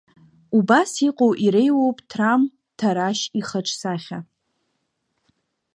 Убас иҟоу иреиуоуп Ҭрам Ҭарашь ихаҿсахьа.